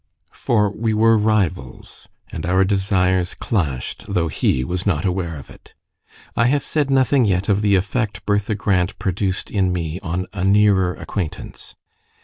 For we were rivals, and our desires clashed, though he was not aware of it. I have said nothing yet of the effect Bertha Grant produced in me on a nearer acquaintance.